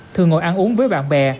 thường ngồi ăn uống với bạn bè